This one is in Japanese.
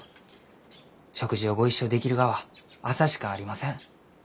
食事をご一緒できるがは朝しかありません。